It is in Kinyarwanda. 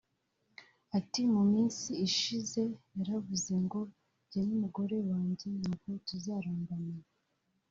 Ati “ Mu minsi ishize yaravuze ngo njye n’umugore wanjye ntabwo tuzarambana